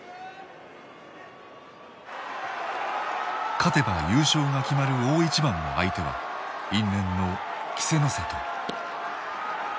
勝てば優勝が決まる大一番の相手は因縁の稀勢の里。